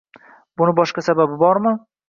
Buni boshqa sababi bormi?